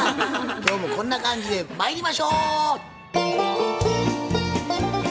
今日もこんな感じでまいりましょう！